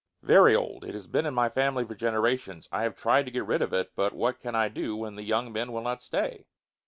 "Very old. It has been in my family for generations. I have tried to get rid of it, but what can I do when the young men will not stay?"